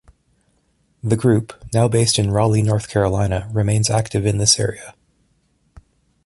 The group, now based in Raleigh, North Carolina, remains active in this area.